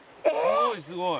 「すごいすごい！」